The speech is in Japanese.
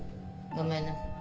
ごめんなさい。